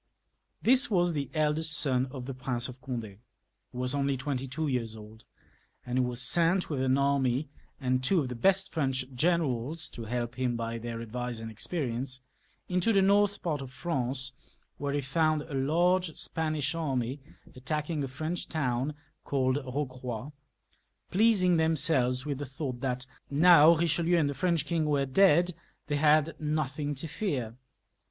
This was the eldest son of the Prince of Cond^ who XLiii.] LOUIS XIV. 331 was only twenty two years old, and who was sent with an anny and two of the best French generals to help him by their advice and experience, into the north part of France, where he found a large Spanish army attacking a French town called Eocrpy, pleasing themselves with the thought that now Bichelieu and the French king were dead, they had nothing to fear.